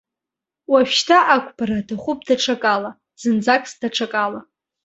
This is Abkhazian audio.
Уажәшьҭа ақәԥара аҭахуп даҽакала, зынӡаск даҽакала.